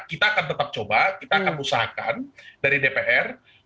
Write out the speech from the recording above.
kita akan tetap coba kita akan usahakan dari dpr